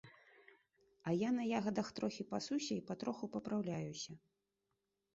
А я на ягадах трохі пасуся і патроху папраўляюся.